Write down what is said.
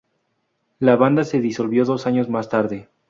La banda se disolvió dos años más tarde.